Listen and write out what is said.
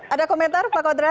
ada komentar pak khodrat